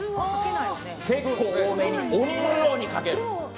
結構多めに、鬼のようにかける。